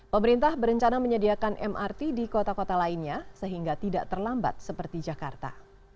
pemerintah berencana menyediakan mrt di kota kota lainnya sehingga tidak terlambat seperti jakarta